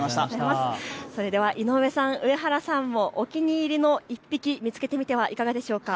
それでは井上さん、上原さんもお気に入りの１匹、見つけてみてはいかがでしょうか。